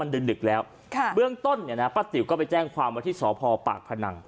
ดึกแล้วค่ะเบื้องต้นเนี่ยนะป้าติ๋วก็ไปแจ้งความว่าที่สพปากพนัง